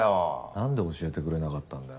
なんで教えてくれなかったんだよ。